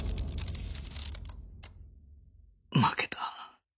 負けた